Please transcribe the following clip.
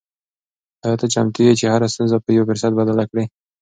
آیا ته چمتو یې چې هره ستونزه په یو فرصت بدله کړې؟